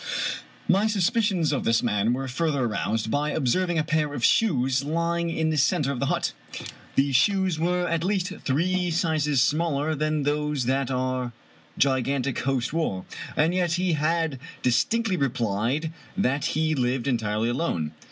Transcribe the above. My suspicions of this man were further aroused by observing a pair of shoes lying in the corner of the hut. These shoes were at least three sizes smaller than those that our gigantic host wore, and yet he had dis tinctly replied that he lived entirely alone.